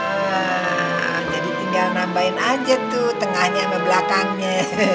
ah jadi tinggal nambahin aja tuh tengahnya sama belakangnya